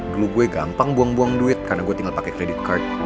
dulu gue gampang buang buang duit karena gue tinggal pakai credit card